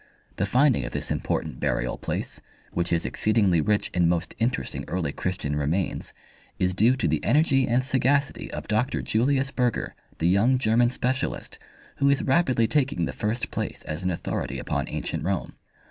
The finding of this important burial place, which is exceedingly rich in most interesting early Christian remains, is due to the energy and sagacity of Dr. Julius Burger, the young German specialist, who is rapidly taking the first place as an authority upon ancient Rome.